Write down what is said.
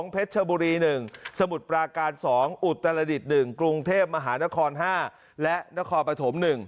เพชรชบุรี๑สมุทรปราการ๒อุตรดิษฐ์๑กรุงเทพมหานคร๕และนครปฐม๑